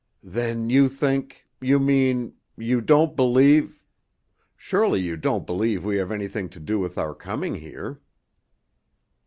"Then you think you mean you don't believe surely you don't believe we have anything to do with our coming here?"